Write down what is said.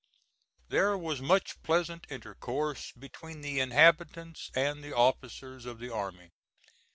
There was much pleasant intercourse between the inhabitants and the officers of the army.